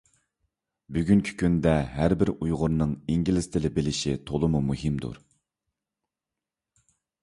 بۈگۈنكى كۈندە ھەر بىر ئۇيغۇرنىڭ ئىنگلىز تىلى بىلىشى تولىمۇ مۇھىمدۇر.